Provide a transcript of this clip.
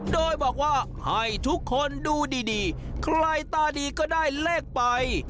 โดยบอกว่าให้ทุกคนดูดีใครตาดีก็ได้เลขไป